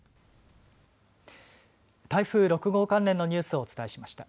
台風６号関連のニュースをお伝えしました。